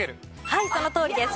はいそのとおりです。